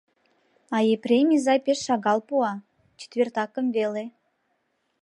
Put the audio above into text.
А Епрем изай пеш шагал пуа, четвертакым веле.